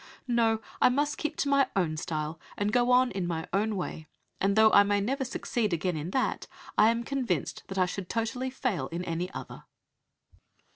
No, I must keep to my own style and go on in my own way; and though I may never succeed again in that, I am convinced that I should totally fail in any other."